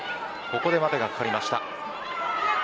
ここで、待てがかかりました。